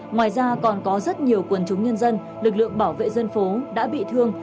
ngoài ra còn có rất nhiều quần chúng nhân dân lực lượng bảo vệ dân phố đã bị thương